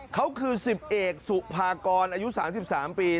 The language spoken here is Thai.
เขาคือ๑๐เอกสุภากรอายุ๓๓ปี